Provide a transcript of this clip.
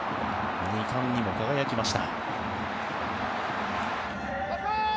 ２冠にも輝きました。